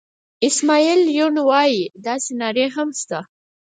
اسماعیل یون وایي داسې نارې هم شته.